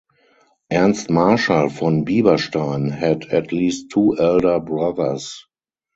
Ernst Marschall von Bieberstein had at least two elder brothers.